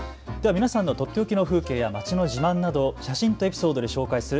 皆さんのとっておきの風景や街の風景を写真とエピソードで紹介する＃